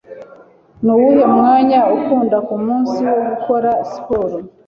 Nuwuhe mwanya ukunda kumunsi wo gukora siporo?